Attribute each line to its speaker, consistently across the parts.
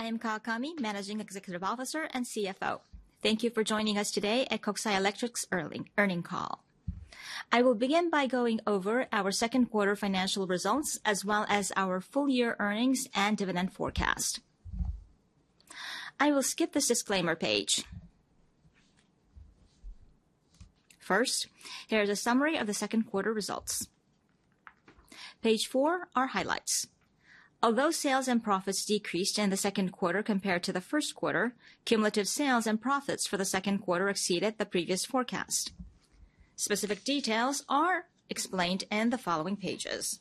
Speaker 1: I am Kawakami, Managing Executive Officer and CFO. Thank you for joining us today at Kokusai Electric's earnings call. I will begin by going over our second quarter financial results, as well as our full-year earnings and dividend forecast. I will skip this disclaimer page. First, here is a summary of the second quarter results. Page 4 are highlights. Although sales and profits decreased in the second quarter compared to the first quarter, cumulative sales and profits for the second quarter exceeded the previous forecast. Specific details are explained in the following pages.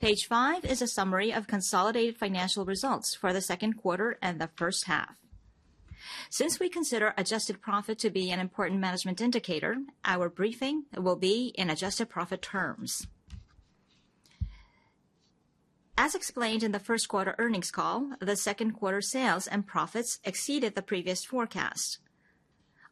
Speaker 1: Page 5 is a summary of consolidated financial results for the second quarter and the first half. Since we consider adjusted profit to be an important management indicator, our briefing will be in adjusted profit terms. As explained in the first quarter earnings call, the second quarter sales and profits exceeded the previous forecast.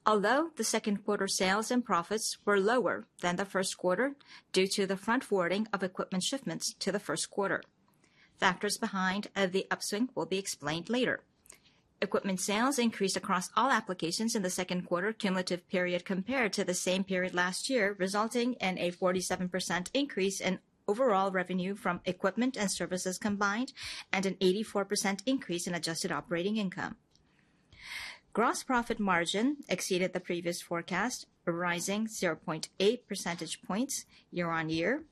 Speaker 1: Although the second quarter sales and profits were lower than the first quarter due to the front-loading of equipment shipments to the first quarter, factors behind the upswing will be explained later. Equipment sales increased across all applications in the second quarter cumulative period compared to the same period last year, resulting in a 47% increase in overall revenue from equipment and services combined and an 84% increase in adjusted operating income. Gross profit margin exceeded the previous forecast, rising 0.8 percentage points year-on-year.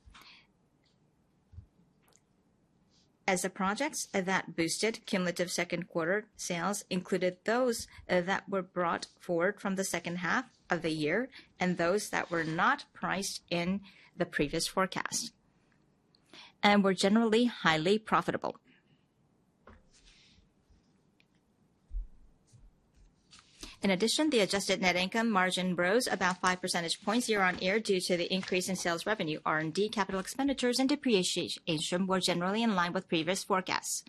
Speaker 1: As the projects that boosted cumulative second quarter sales included those that were brought forward from the second half of the year and those that were not priced in the previous forecast, and were generally highly profitable. In addition, the adjusted net income margin rose about 5 percentage points year-on-year due to the increase in sales revenue. R&D, capital expenditures, and depreciation were generally in line with previous forecasts.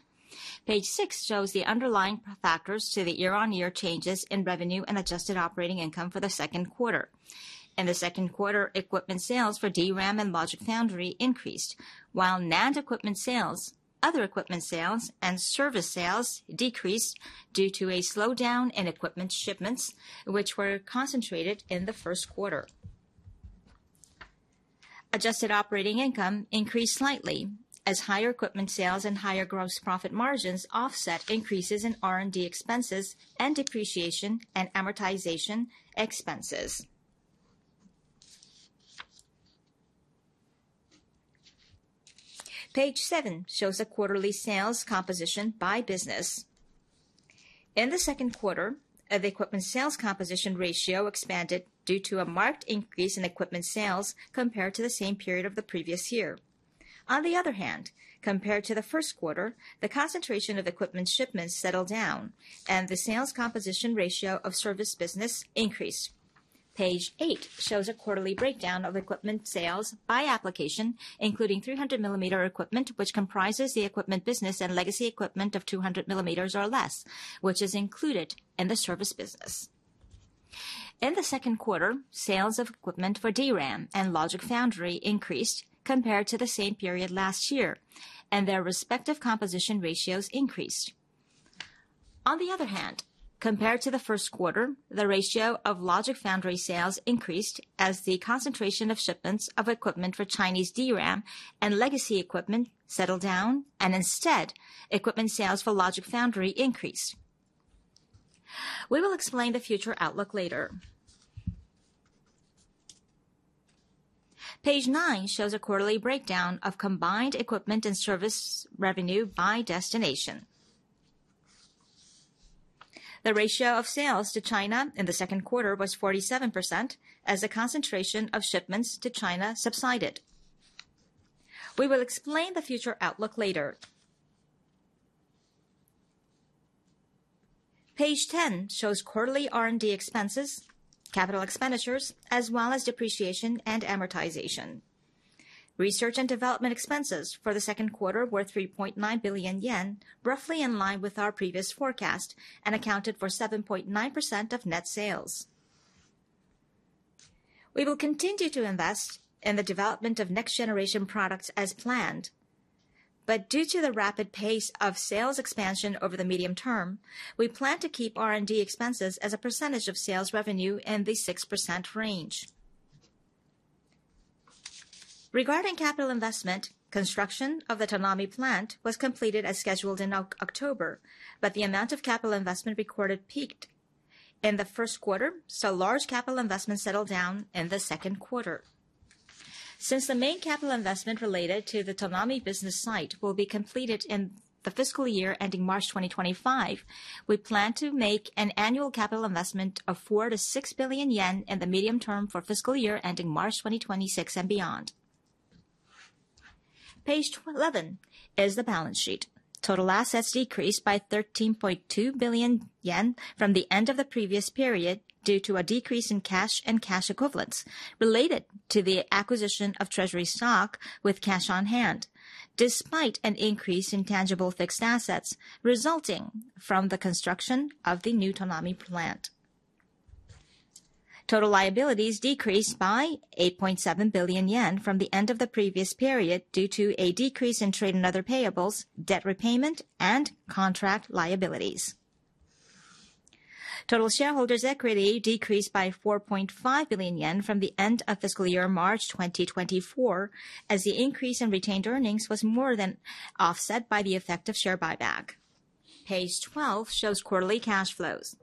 Speaker 1: Page 6 shows the underlying factors to the year-on-year changes in revenue and adjusted operating income for the second quarter. In the second quarter, equipment sales for DRAM and Logic Foundry increased, while NAND equipment sales, other equipment sales, and service sales decreased due to a slowdown in equipment shipments, which were concentrated in the first quarter. Adjusted operating income increased slightly as higher equipment sales and higher gross profit margins offset increases in R&D expenses and depreciation and amortization expenses. Page 7 shows the quarterly sales composition by business. In the second quarter, the equipment sales composition ratio expanded due to a marked increase in equipment sales compared to the same period of the previous year. On the other hand, compared to the first quarter, the concentration of equipment shipments settled down, and the sales composition ratio of service business increased. Page 8 shows a quarterly breakdown of equipment sales by application, including 300mm equipment, which comprises the equipment business and legacy equipment of 200mm or less, which is included in the service business. In the second quarter, sales of equipment for DRAM and Logic Foundry increased compared to the same period last year, and their respective composition ratios increased. On the other hand, compared to the first quarter, the ratio of Logic Foundry sales increased as the concentration of shipments of equipment for Chinese DRAM and legacy equipment settled down, and instead, equipment sales for Logic Foundry increased. We will explain the future outlook later. Page 9 shows a quarterly breakdown of combined equipment and service revenue by destination. The ratio of sales to China in the second quarter was 47% as the concentration of shipments to China subsided. We will explain the future outlook later. Page 10 shows quarterly R&D expenses, capital expenditures, as well as depreciation and amortization. Research and development expenses for the second quarter were 3.9 billion yen, roughly in line with our previous forecast and accounted for 7.9% of net sales. We will continue to invest in the development of next-generation products as planned, but due to the rapid pace of sales expansion over the medium term, we plan to keep R&D expenses as a percentage of sales revenue in the 6% range. Regarding capital investment, construction of the Tonami plant was completed as scheduled in October, but the amount of capital investment recorded peaked in the first quarter, so large capital investment settled down in the second quarter. Since the main capital investment related to the Tonami business site will be completed in the fiscal year ending March 2025, we plan to make an annual capital investment of 4 billion-6 billion yen in the medium term for fiscal year ending March 2026 and beyond. Page 11 is the balance sheet. Total assets decreased by 13.2 billion yen from the end of the previous period due to a decrease in cash and cash equivalents related to the acquisition of treasury stock with cash on hand, despite an increase in tangible fixed assets resulting from the construction of the new Tonami plant. Total liabilities decreased by 8.7 billion yen from the end of the previous period due to a decrease in trade and other payables, debt repayment, and contract liabilities. Total shareholders' equity decreased by 4.5 billion yen from the end of fiscal year March 2024, as the increase in retained earnings was more than offset by the effective share buyback. Page 12 shows quarterly cash flows.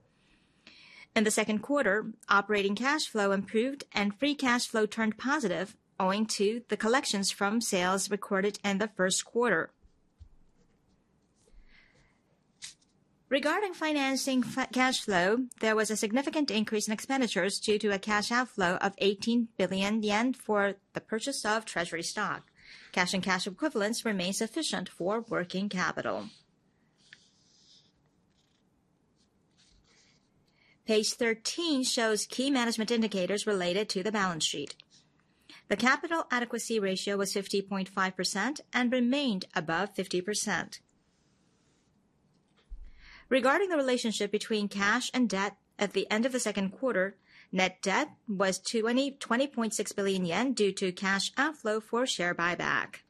Speaker 1: In the second quarter, operating cash flow improved and free cash flow turned positive, owing to the collections from sales recorded in the first quarter. Regarding financing cash flow, there was a significant increase in expenditures due to a cash outflow of 18 billion yen for the purchase of treasury stock. Cash and cash equivalents remain sufficient for working capital. Page 13 shows key management indicators related to the balance sheet. The capital adequacy ratio was 50.5% and remained above 50%. Regarding the relationship between cash and debt at the end of the second quarter, net debt was 20.6 billion yen due to cash outflow for share buyback.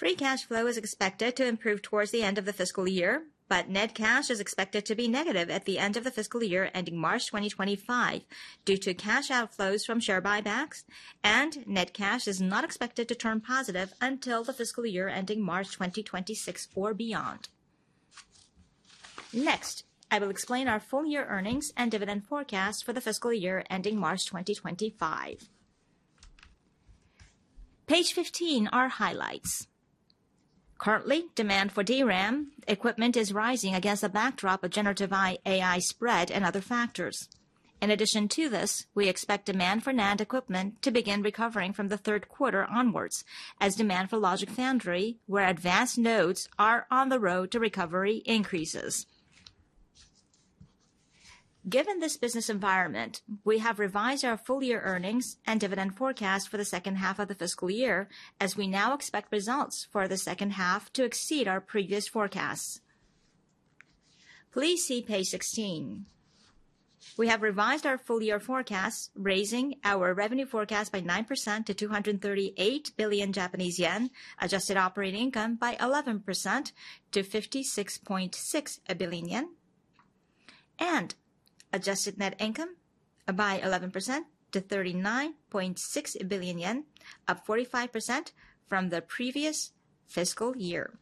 Speaker 1: Free cash flow is expected to improve towards the end of the fiscal year, but net cash is expected to be negative at the end of the fiscal year ending March 2025 due to cash outflows from share buybacks, and net cash is not expected to turn positive until the fiscal year ending March 2026 or beyond. Next, I will explain our full-year earnings and dividend forecast for the fiscal year ending March 2025. Page 15 are highlights. Currently, demand for DRAM equipment is rising against the backdrop of generative AI spread and other factors. In addition to this, we expect demand for NAND equipment to begin recovering from the third quarter onwards, as demand for Logic Foundry, where advanced nodes are on the road to recovery, increases. Given this business environment, we have revised our full-year earnings and dividend forecast for the second half of the fiscal year, as we now expect results for the second half to exceed our previous forecasts. Please see Page 16. We have revised our full-year forecast, raising our revenue forecast by 9% to 238 billion Japanese yen, adjusted operating income by 11% to 56.6 billion yen, and adjusted net income by 11% to 39.6 billion yen, up 45% from the previous fiscal year.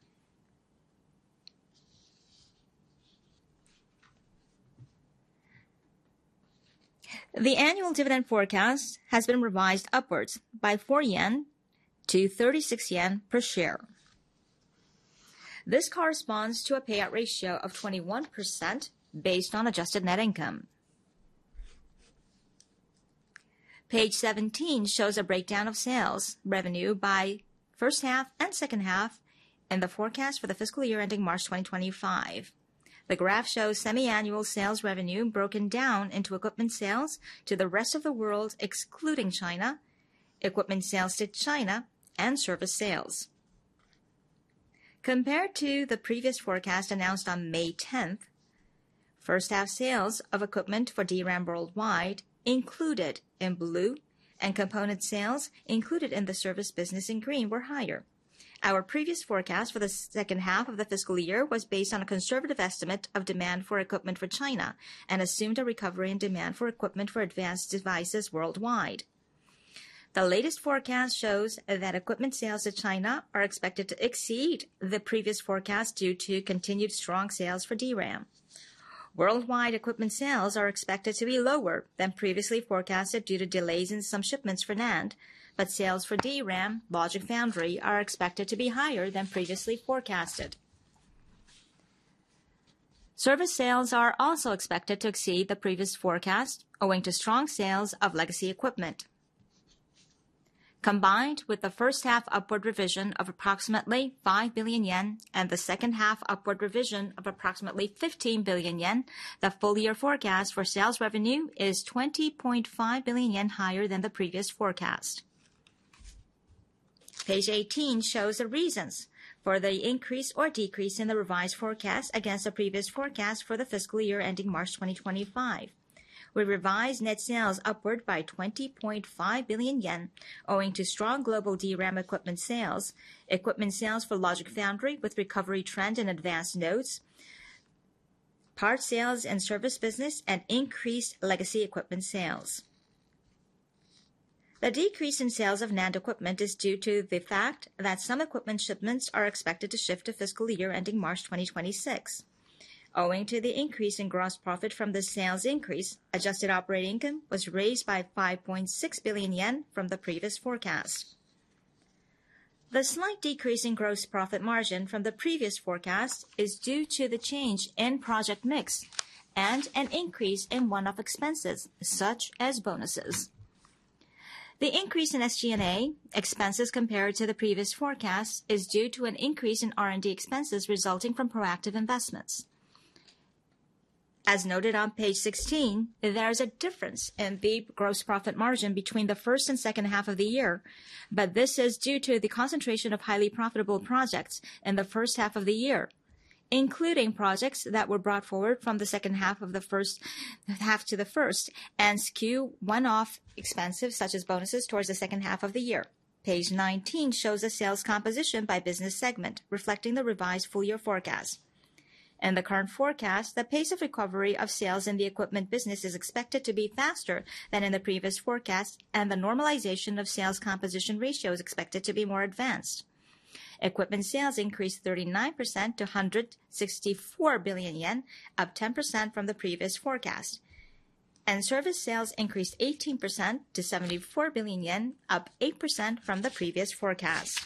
Speaker 1: The annual dividend forecast has been revised upwards by 4-36 yen per share. This corresponds to a payout ratio of 21% based on adjusted net income. Page 17 shows a breakdown of sales revenue by first half and second half in the forecast for the fiscal year ending March 2025. The graph shows semi-annual sales revenue broken down into equipment sales to the rest of the world excluding China, equipment sales to China, and service sales. Compared to the previous forecast announced on May 10, first-half sales of equipment for DRAM worldwide included in blue, and component sales included in the service business in green were higher. Our previous forecast for the second half of the fiscal year was based on a conservative estimate of demand for equipment for China and assumed a recovery in demand for equipment for advanced devices worldwide. The latest forecast shows that equipment sales to China are expected to exceed the previous forecast due to continued strong sales for DRAM. Worldwide, equipment sales are expected to be lower than previously forecasted due to delays in some shipments for NAND, but sales for DRAM, Logic Foundry, are expected to be higher than previously forecasted. Service sales are also expected to exceed the previous forecast, owing to strong sales of legacy equipment. Combined with the first-half upward revision of approximately five billion JPY and the second-half upward revision of approximately 15 billion yen, the full-year forecast for sales revenue is 20.5 billion yen higher than the previous forecast. Page 18 shows the reasons for the increase or decrease in the revised forecast against the previous forecast for the fiscal year ending March 2025. We revised net sales upward byJPY 20.5 billion, owing to strong global DRAM equipment sales, equipment sales for Logic Foundry with recovery trend in advanced nodes, parts sales in service business, and increased legacy equipment sales. The decrease in sales of NAND equipment is due to the fact that some equipment shipments are expected to shift to fiscal year ending March 2026. Owing to the increase in gross profit from the sales increase, adjusted operating income was raised by 5.6 billion yen from the previous forecast. The slight decrease in gross profit margin from the previous forecast is due to the change in project mix and an increase in one-off expenses such as bonuses. The increase in SG&A expenses compared to the previous forecast is due to an increase in R&D expenses resulting from proactive investments. As noted on Page 16, there is a difference in the gross profit margin between the first and second half of the year, but this is due to the concentration of highly profitable projects in the first half of the year, including projects that were brought forward from the second half of the first half to the first and skew one-off expenses such as bonuses towards the second half of the year. Page 19 shows the sales composition by business segment reflecting the revised full-year forecast. In the current forecast, the pace of recovery of sales in the equipment business is expected to be faster than in the previous forecast, and the normalization of sales composition ratio is expected to be more advanced. Equipment sales increased 39% to 164 billion yen, up 10% from the previous forecast, and service sales increased 18% to 74 billion yen, up 8% from the previous forecast.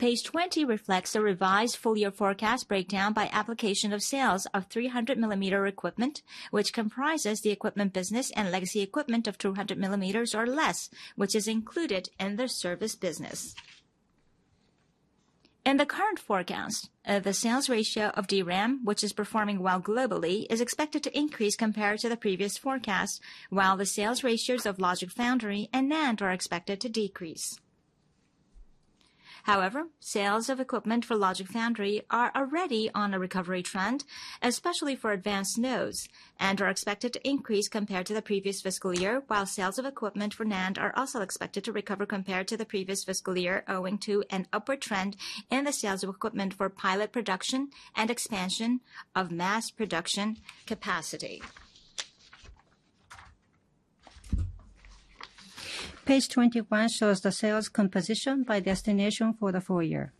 Speaker 1: Page 20 reflects the revised full-year forecast breakdown by application of sales of 300mm equipment, which comprises the equipment business and legacy equipment of 200mm or less, which is included in the service business. In the current forecast, the sales ratio of DRAM, which is performing well globally, is expected to increase compared to the previous forecast, while the sales ratios of Logic Foundry and NAND are expected to decrease. However, sales of equipment for Logic Foundry are already on a recovery trend, especially for advanced nodes, and are expected to increase compared to the previous fiscal year, while sales of equipment for NAND are also expected to recover compared to the previous fiscal year, owing to an upward trend in the sales of equipment for pilot production and expansion of mass production capacity.
Speaker 2: Page 21 shows the sales composition by destination for the full year.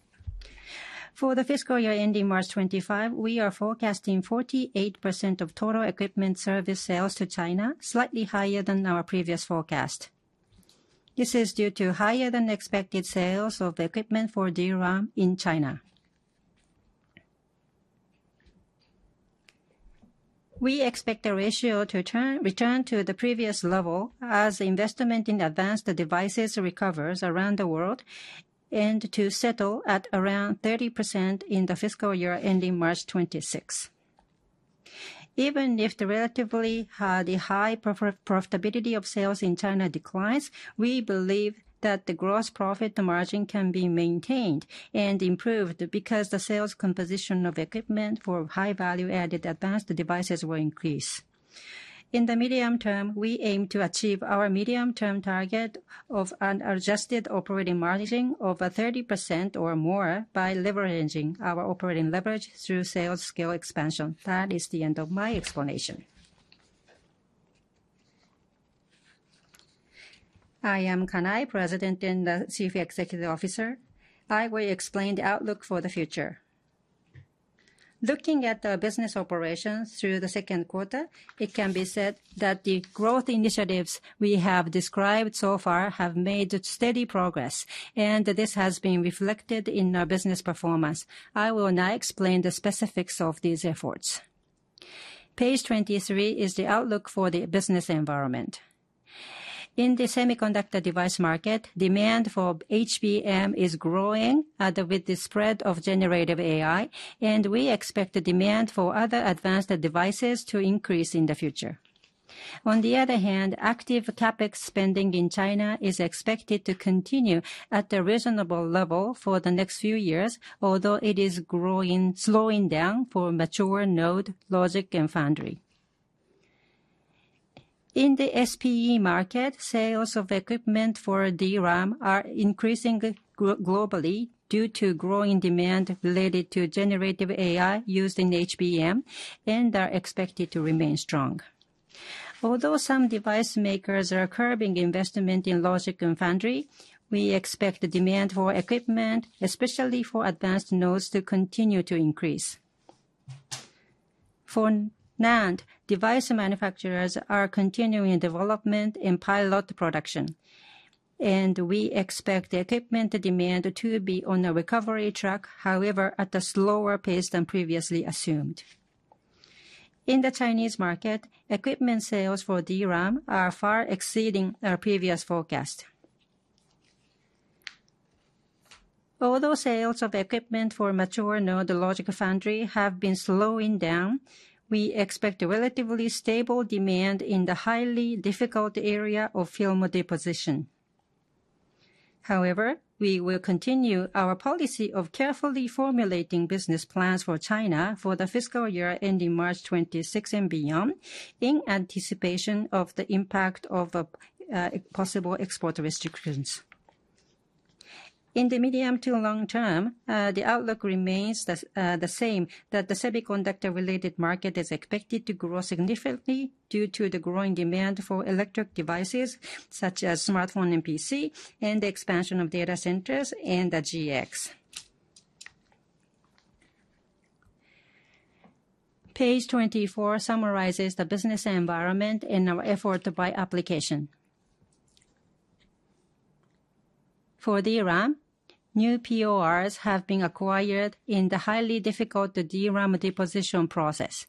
Speaker 2: For the fiscal year ending March 2025, we are forecasting 48% of total equipment and service sales to China, slightly higher than our previous forecast. This is due to higher than expected sales of equipment for DRAM in China. We expect the ratio to return to the previous level as investment in advanced devices recovers around the world and to settle at around 30% in the fiscal year ending March 2026. Even if the relatively high profitability of sales in China declines, we believe that the gross profit margin can be maintained and improved because the sales composition of equipment for high-value-added advanced devices will increase. In the medium term, we aim to achieve our medium-term target of an adjusted operating margin of 30% or more by leveraging our operating leverage through sales scale expansion. That is the end of my explanation.
Speaker 3: I am Kanai, President and Chief Executive Officer. I will explain the outlook for the future. Looking at the business operations through the second quarter, it can be said that the growth initiatives we have described so far have made steady progress, and this has been reflected in our business performance. I will now explain the specifics of these efforts. Page 23 is the outlook for the business environment. In the semiconductor device market, demand for HBM is growing with the spread of generative AI, and we expect the demand for other advanced devices to increase in the future. On the other hand, active CapEx spending in China is expected to continue at a reasonable level for the next few years, although it is slowing down for mature node, Logic, and Foundry. In the SPE market, sales of equipment for DRAM are increasing globally due to growing demand related to generative AI used in HBM and are expected to remain strong. Although some device makers are curbing investment in Logic and Foundry, we expect the demand for equipment, especially for advanced nodes, to continue to increase. For NAND, device manufacturers are continuing development and pilot production, and we expect the equipment demand to be on a recovery track, however, at a slower pace than previously assumed. In the Chinese market, equipment sales for DRAM are far exceeding our previous forecast. Although sales of equipment for mature node, Logic and Foundry have been slowing down, we expect relatively stable demand in the highly difficult area of film deposition. However, we will continue our policy of carefully formulating business plans for China for the fiscal year ending March 2026 and beyond in anticipation of the impact of possible export restrictions. In the medium to long term, the outlook remains the same that the semiconductor-related market is expected to grow significantly due to the growing demand for electric devices such as smartphone and PC and the expansion of data centers and the GX. Page 24 summarizes the business environment and our effort by application. For DRAM, new PORs have been acquired in the highly difficult DRAM deposition process,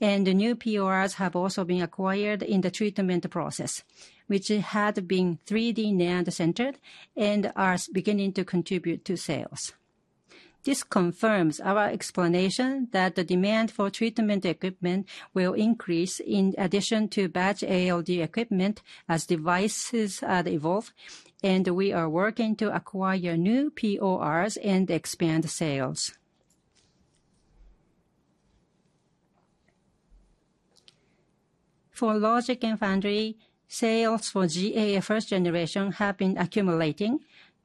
Speaker 3: and new PORs have also been acquired in the treatment process, which had been 3D NAND-centered and are beginning to contribute to sales. This confirms our explanation that the demand for treatment equipment will increase in addition to batch ALD equipment as devices evolve, and we are working to acquire new PORs and expand sales. For Logic and Foundry, sales for GAA first generation have been accumulating,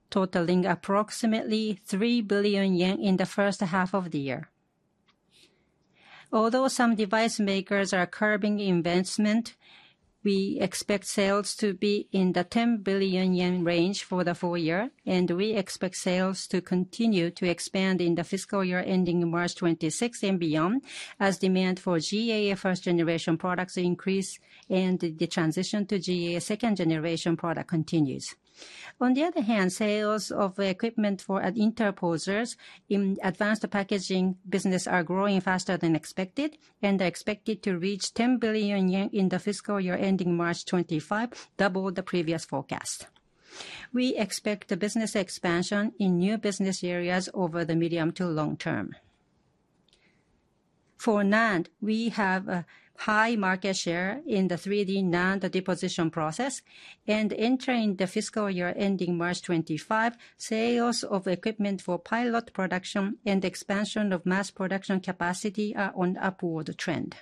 Speaker 3: totaling approximately 3 billion yen in the first half of the year. Although some device makers are curbing investment, we expect sales to be in the 10 billion yen range for the full year, and we expect sales to continue to expand in the fiscal year ending March 2026 and beyond as demand for GAA first generation products increases and the transition to GAA second generation products continues. On the other hand, sales of equipment for interposers in advanced packaging business are growing faster than expected, and they are expected to reach 10 billion yen in the fiscal year ending March 2025, double the previous forecast. We expect the business expansion in new business areas over the medium to long term. For NAND, we have a high market share in the 3D NAND deposition process, and entering the fiscal year ending March 2025, sales of equipment for pilot production and expansion of mass production capacity are on an upward trend.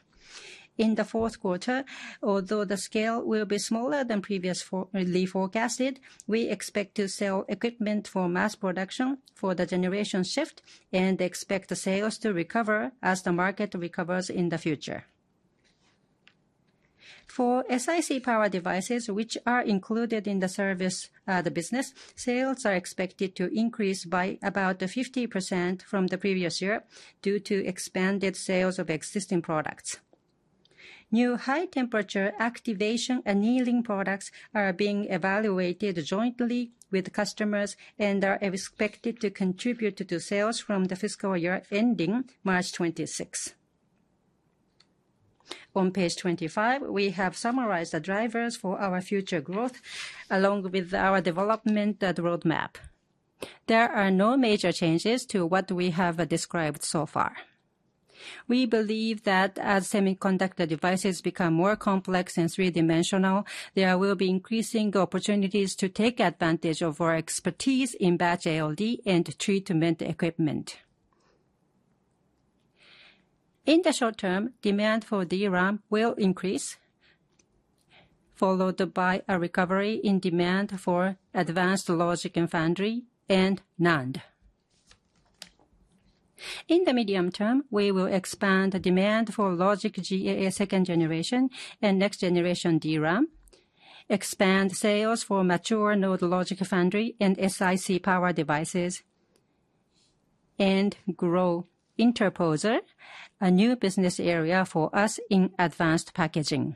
Speaker 3: In the fourth quarter, although the scale will be smaller than previously forecasted, we expect to sell equipment for mass production for the generation shift and expect the sales to recover as the market recovers in the future. For SiC power devices, which are included in the service at the business, sales are expected to increase by about 50% from the previous year due to expanded sales of existing products. New high-temperature activation annealing products are being evaluated jointly with customers and are expected to contribute to sales from the fiscal year ending March 2026. On Page 25, we have summarized the drivers for our future growth along with our development roadmap. There are no major changes to what we have described so far. We believe that as semiconductor devices become more complex and three-dimensional, there will be increasing opportunities to take advantage of our expertise in batch ALD and treatment equipment. In the short term, demand for DRAM will increase, followed by a recovery in demand for advanced Logic and Foundry and NAND. In the medium term, we will expand demand for Logic GAA second generation and next generation DRAM, expand sales for mature node Logic Foundry and SiC power devices, and grow interposer, a new business area for us in advanced packaging.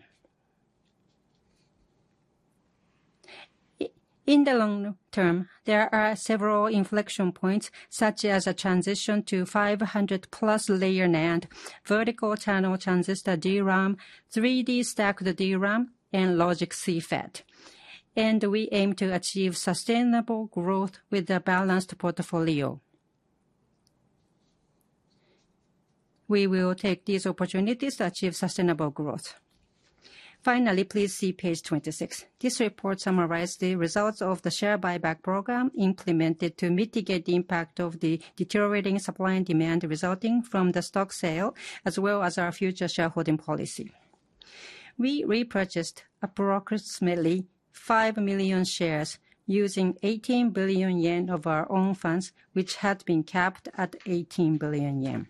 Speaker 3: In the long term, there are several inflection points such as a transition to 500+ layer NAND, vertical channel transistor DRAM, 3D stacked DRAM, and Logic CFET, and we aim to achieve sustainable growth with a balanced portfolio. We will take these opportunities to achieve sustainable growth. Finally, please see page 26. This report summarizes the results of the share buyback program implemented to mitigate the impact of the deteriorating supply and demand resulting from the stock sale, as well as our future shareholding policy. We repurchased approximately 5 million shares using 18 billion yen of our own funds, which had been capped at 18 billion yen.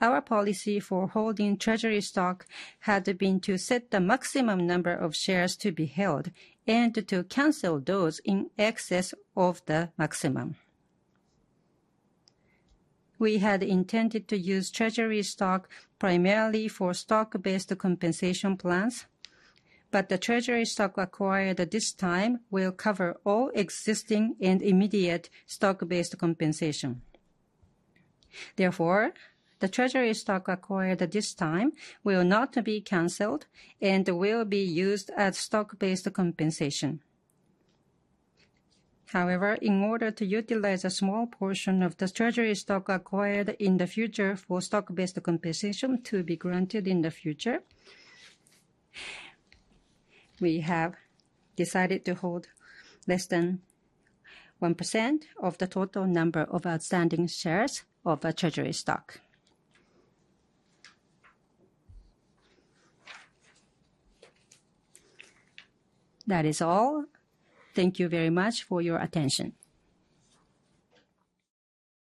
Speaker 3: Our policy for holding treasury stock had been to set the maximum number of shares to be held and to cancel those in excess of the maximum. We had intended to use treasury stock primarily for stock-based compensation plans, but the treasury stock acquired this time will cover all existing and immediate stock-based compensation. Therefore, the treasury stock acquired this time will not be canceled and will be used as stock-based compensation. However, in order to utilize a small portion of the treasury stock acquired in the future for stock-based compensation to be granted in the future, we have decided to hold less than 1% of the total number of outstanding shares of treasury stock. That is all. Thank you very much for your attention.